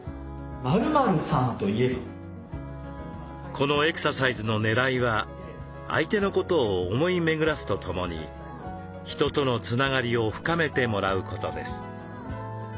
このエクササイズのねらいは相手のことを思い巡らすとともに人とのつながりを深めてもらうことです。